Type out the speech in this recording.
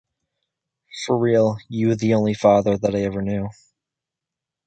For real, you the only father that I ever knew.